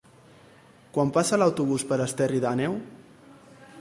Quan passa l'autobús per Esterri d'Àneu?